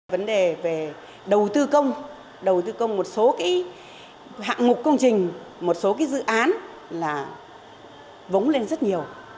vấn đề về đầu tư công đầu tư công một số hạng mục công trình một số dự án là vống lên rất nhiều